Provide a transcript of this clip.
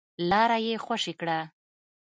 لاره يې خوشې کړه.